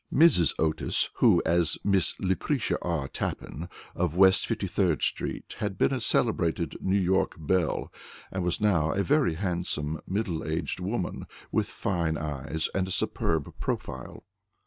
Mrs. Otis, who, as Miss Lucretia R. Tappan, of West 53d Street, had been a celebrated New York belle, was now a very handsome, middle aged woman, with fine eyes, and a superb profile.